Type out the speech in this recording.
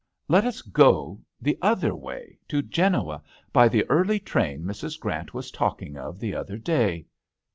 Let us go the other way, to Genoa, by the early train Mrs. Grant was talking of the other day."